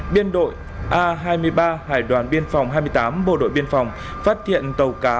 biên đội a hai mươi ba hải đoàn biên phòng hai mươi tám bộ đội biên phòng phát hiện tàu cá